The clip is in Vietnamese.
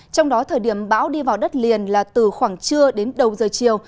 trong đó thời điểm bão đi vào đất liền là từ khoảng trưa đến đầu giờ chiều